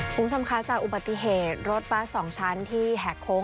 คุณสมครัฐเจ้าอุบัติเหตุรถบาสสองชั้นที่แหกโค้ง